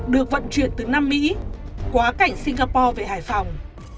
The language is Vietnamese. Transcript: được vận chuyển từ nam mỹ quá cảnh singapore về hải phòng